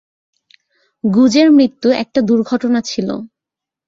গুজের মৃত্যু একটা দুর্ঘটনা ছিল।